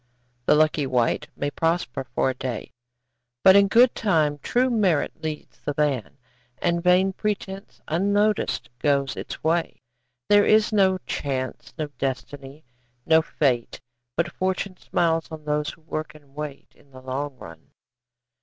The lucky wight may prosper for a day, But in good time true merit leads the van And vain pretence, unnoticed, goes its way. There is no Chance, no Destiny, no Fate, But Fortune smiles on those who work and wait, In the long run.